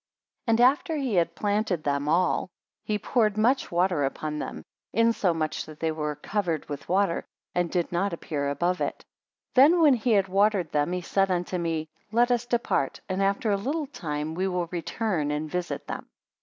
20 And after he had planted them all, he poured much water upon them, insomuch that they were covered with water, and did not appear above it. Then when he had watered them, he said unto me; Let us depart, and after a little time we will return and visit them.